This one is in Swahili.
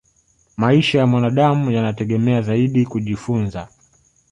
maisha ya mwanadamu yanategemea zaidi kujifunza